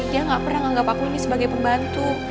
dia gak pernah menganggap apa ini sebagai pembantu